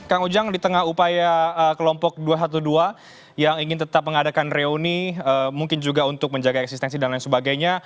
kang ujang di tengah upaya kelompok dua ratus dua belas yang ingin tetap mengadakan reuni mungkin juga untuk menjaga eksistensi dan lain sebagainya